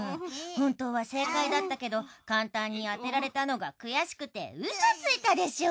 本当は正解だったけど簡単に当てられたのが悔しくてウソついたでしょう？